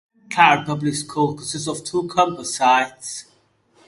McLoud Public Schools consists of two campus sites.